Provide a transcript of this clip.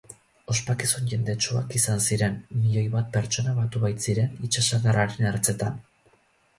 Ospakizun jendetsuak izan ziren, milioi bat pertsona batu baitziren itsasadarraren ertzetan.